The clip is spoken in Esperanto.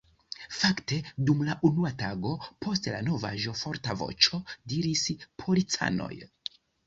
Fakte, dum la unua tago post la novaĵo forta voĉo diris: Policanoj!